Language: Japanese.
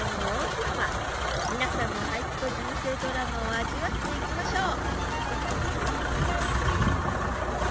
皆さんの俳句と人生ドラマを味わっていきましょう！